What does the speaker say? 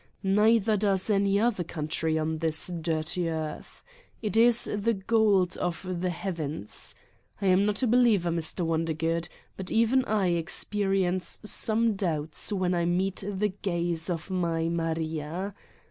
Neither does any other country on this dirty earth. It is the gold of the heavens. I am not a believer, Mr. Wondergood, but even I ex perience some doubts when I meet the gaze of my Maria.